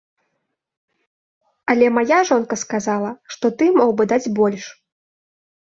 Але мая жонка сказала, што ты мог бы даць больш.